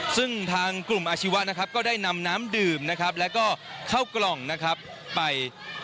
ซึ่งทางกลุ่มอาชีวะนะครับก็ได้นำน้ำดื่มนะครับแล้วก็เข้ากล่องนะครับไป